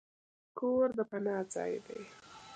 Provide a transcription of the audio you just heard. کور د پناه ځای دی.